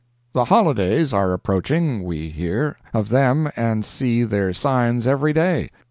"The Holidays are approaching. We hear Of them and see their signs every day.